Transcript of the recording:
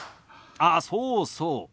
あっそうそう。